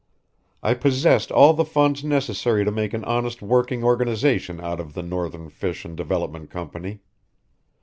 I possessed all the funds necessary to make an honest working organization out of the Northern Fish and Development Company.